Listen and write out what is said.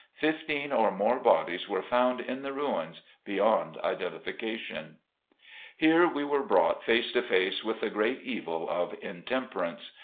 Fifteen or more bodies were found in the ruins beyond identification. Here we were brought face to face with the great evil of intemperance.